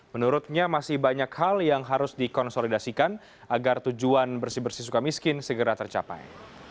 menurutnya masih banyak hal yang harus dikonsolidasikan agar tujuan bersih bersih suka miskin segera tercapai